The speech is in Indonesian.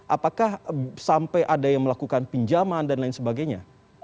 apakah sampai ada yang melakukan pinjaman dan lain sebagainya